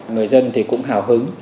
người dân thì cũng hào hứng